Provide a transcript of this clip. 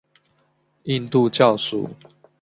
印度教属。